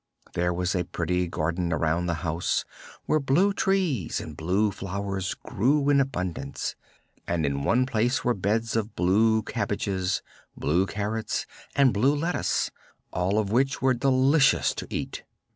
There was a pretty garden around the house, where blue trees and blue flowers grew in abundance and in one place were beds of blue cabbages, blue carrots and blue lettuce, all of which were delicious to eat.